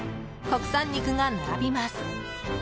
国産肉が並びます。